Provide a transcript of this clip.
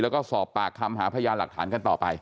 แล้วก็สอบปากคำหาพยานหลักฐานกันต่อไป